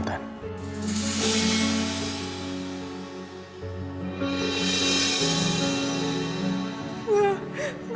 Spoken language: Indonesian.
aku buat riana